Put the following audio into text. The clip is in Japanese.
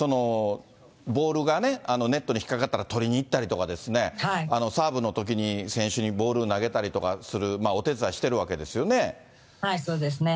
ボールがね、ネットに引っ掛かったら取りに行ったりとかですね、サーブのときに選手にボール投げたりする、お手伝いしてるわけでそうですね。